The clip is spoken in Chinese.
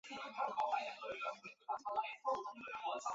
在班台闸以下洪河左岸建有洪河分洪道。